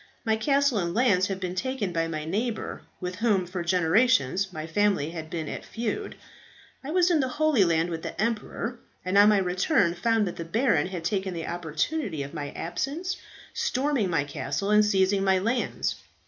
My castle and lands have been taken by my neighbour, with whom for generations my family have been at feud. I was in the Holy Land with the emperor, and on my return found that the baron had taken the opportunity of my absence, storming my castle and seizing my lands.